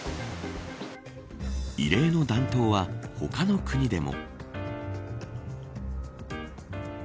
異例の暖冬は他の国でも。